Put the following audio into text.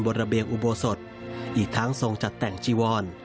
ระเบียงอุโบสถอีกทั้งทรงจัดแต่งจีวร